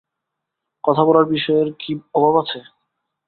কথা বলার বিষয়ের কি অভাব আছে?